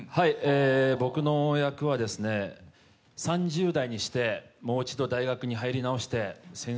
僕の役はですね、３０代にしてもう一度大学に入り直して、先生。